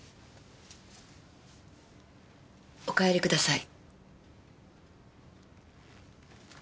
お帰りください。